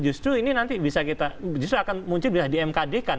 justru ini nanti bisa kita justru akan muncul bisa di mkd kan